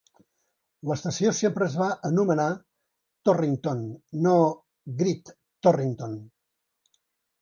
L'estació sempre es va anomenar "Torrington", no "Great Torrington".